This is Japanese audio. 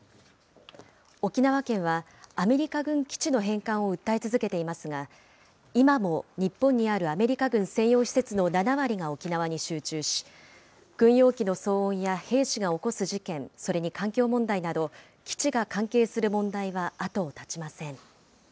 沖縄県は、アメリカ軍基地の返還を訴え続けていますが、今も日本にあるアメリカ軍専用施設の７割が沖縄に集中し、軍用機の騒音や兵士が起こす事件、それに環境問題など、基地が関係する問題は後を絶ちません。